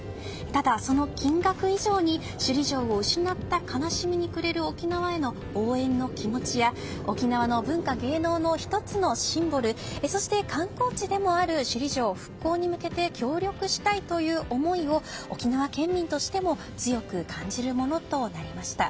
ただ、その金額以上に首里城を失った悲しみに暮れる沖縄への応援の気持ちや沖縄の文化・芸能の１つのシンボルそして観光地でもある首里城復興に向けて協力したいという思いを沖縄県民としても強く感じるものとなりました。